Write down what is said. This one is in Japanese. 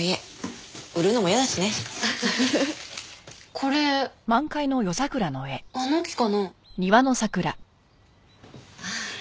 これあの木かな？